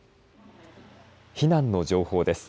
避難の情報です。